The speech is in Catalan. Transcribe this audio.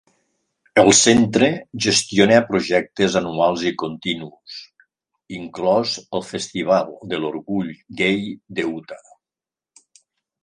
El centre gestiona projectes anuals i continus, inclòs el Festival de l'Orgull Gai de Utah.